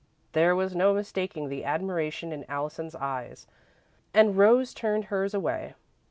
There was no mistaking the admiration in Allison's eyes and Rose turned hers away.